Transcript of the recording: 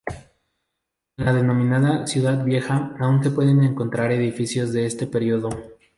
En la denominada "Ciudad Vieja" aún se pueden encontrar edificios de este periodo.